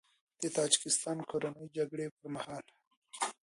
د تاجیکستان د کورنۍ جګړې پر مهال